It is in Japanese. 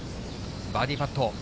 バーディーパット。